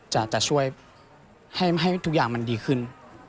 จะช่วยให้ทุกอย่างมันดีขึ้น